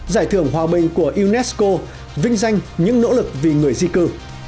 giải thưởng hòa bình của unesco vinh danh những nỗ lực vì người di cư